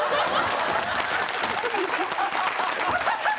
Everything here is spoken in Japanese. ハハハハ！